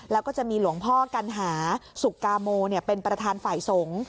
แล้วก็จะมีหลวงพ่อกัณหาสุกาโมเป็นประธานฝ่ายสงฆ์